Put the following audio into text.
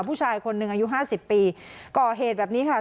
ผู้ชายคนหนึ่งอายุ๕๐ปีก่อเหตุแบบนี้ค่ะ